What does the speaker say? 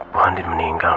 bu andien meninggal mir